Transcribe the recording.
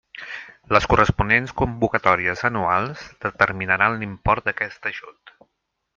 Les corresponents convocatòries anuals determinaran l'import d'aquest ajut.